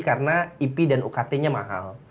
karena ip dan ukt nya mahal